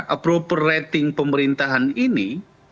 apropo rating pemerintahan ini